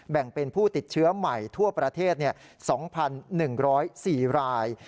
แบ่งเป็นผู้ติดเชื้อใหม่ทั่วประเทศ๒๑๐๔ราย